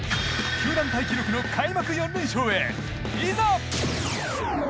球団タイ記録の開幕４連勝へいざ！